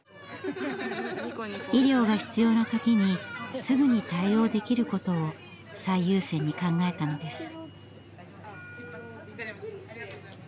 医療が必要な時にすぐに対応できることを最優先に考えたのです。